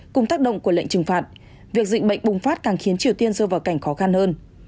cùng tác động của lệnh trừng phạt việc dịch bệnh bùng phát càng khiến triều tiên rơi vào cảnh khó khăn hơn